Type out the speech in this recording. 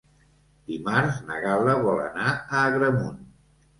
Dimarts na Gal·la vol anar a Agramunt.